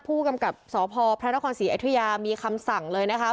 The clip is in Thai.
ผู้กำกับสพพระนครศรีอยุธยามีคำสั่งเลยนะคะ